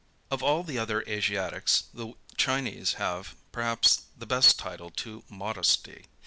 Of all the other Asiatics, the Chinese have, perhaps the best title to modesty.